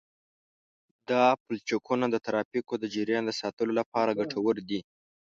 دا پلچکونه د ترافیکو د جریان د ساتلو لپاره ګټور دي